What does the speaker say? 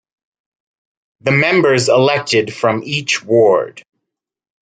The members elected from each ward.